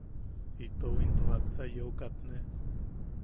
Itou into jaksa yeu kaatne.